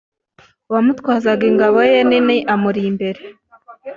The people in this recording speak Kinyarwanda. uwamutwazaga ingabo ye nini amuri imbere